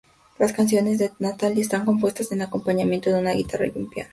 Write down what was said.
Las canciones de Nathalie están compuestas en acompañamiento de una guitarra y un piano.